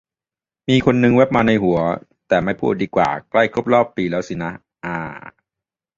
มีคนนึงแว๊บมาในหัว แต่ ไม่พูดดีกว่า ใกล้ครบปีแล้วสินะ อา